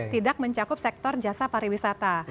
tidak mencakup sektor jasa pariwisata